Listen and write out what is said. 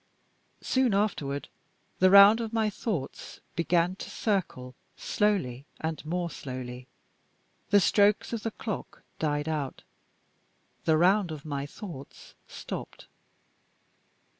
Soon afterward, the round of my thoughts began to circle slowly and more slowly. The strokes of the clock died out. The round of my thoughts stopped.